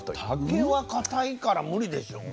竹はかたいから無理でしょう。